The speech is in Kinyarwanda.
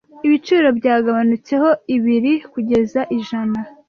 Ibiciro byagabanutseho ibiri kugeza ijana.